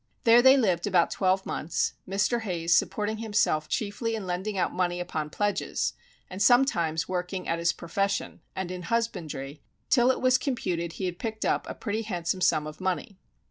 There they lived about twelve months, Mr. Hayes supporting himself chiefly in lending out money upon pledges, and sometimes working at his profession, and in husbandry, till it was computed he had picked up a pretty handsome sum of money.